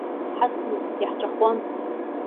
Ҳасны иаҳҵәахуан.